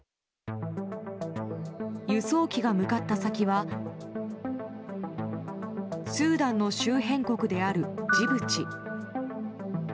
輸送機が向かった先はスーダンの周辺国であるジブチ。